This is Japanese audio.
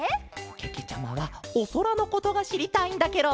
けけちゃまはおそらのことがしりたいんだケロ。